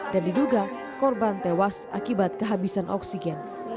dan diduga korban tewas akibat kehabisan oksigen